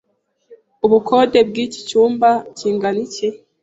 Ubukode bwiki cyumba kingana iki?